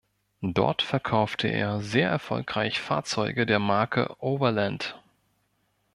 Dort verkaufte er sehr erfolgreich Fahrzeuge der Marke Overland.